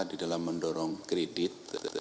di dalam mendorong kredit